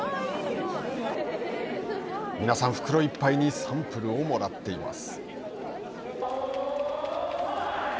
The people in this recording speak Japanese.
皆さん、袋いっぱいに、サンプルをもらっています。